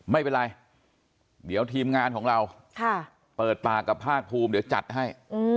ไม่เป็นไรเดี๋ยวทีมงานของเราเปิดปากกับภาคภูมิเดี๋ยวจัดให้